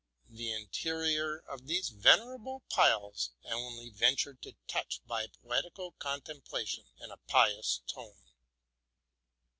The interior of these venerable piles I only ventured to touch by poetical contemplation and a pious tone.